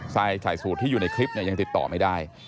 ใส่สูตรที่อยู่ในคลิปยังติดต่อไม่ได้